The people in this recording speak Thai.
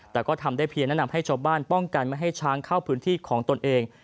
แต่ก็ทำได้เพียงแนะนำให้ชาวบ้านป้องกันไม่ให้ช้างเข้าพื้นที่ของตนเอง